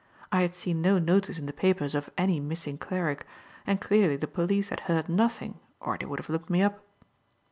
I had seen no notice in the papers of any missing cleric, and clearly the police had heard nothing or they would have looked me up.